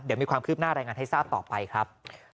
เดี๋ยวมีความคืบหน้ารายงานให้ทราบต่อไปครับ